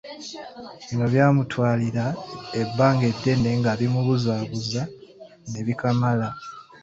Bino byamutwalira ebbanga ddene nga bimubuzaabuza ne bikamala.